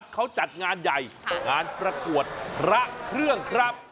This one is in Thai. เขาจัดงานใหญ่งานประกวดพระเครื่องครับ